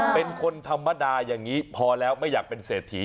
เป็นคนธรรมดาอย่างนี้พอแล้วไม่อยากเป็นเศรษฐี